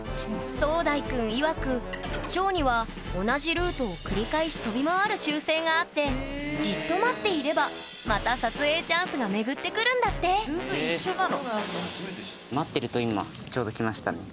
壮大くんいわくチョウには同じルートをくり返し飛び回る習性があってじっと待っていればまた撮影チャンスが巡ってくるんだってルート一緒なの？